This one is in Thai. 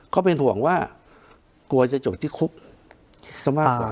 เขาเป็นห่วงว่ากลัวจะจบที่คุกซะมากกว่า